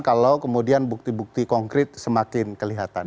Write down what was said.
kalau kemudian bukti bukti konkret semakin kelihatan